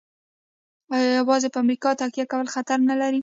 آیا یوازې په امریکا تکیه کول خطر نلري؟